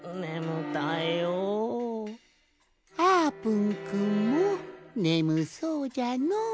あーぷんくんもねむそうじゃのう。